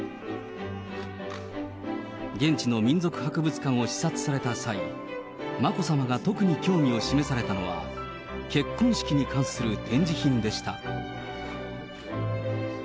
現地の民族博物館を視察された際、眞子さまが特に興味を示されたのは、結婚式に関する展示品でした。